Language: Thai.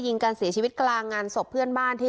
ยิงกันเสียชีวิตกลางงานศพเพื่อนบ้านที่